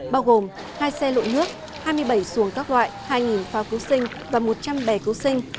bao gồm hai xe lộ nước hai mươi bảy xuồng các loại hai phao cứu sinh và một trăm linh bè cứu sinh